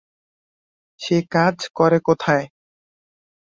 সে কাজ করে কোথায়?